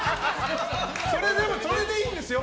それでいいんですよ。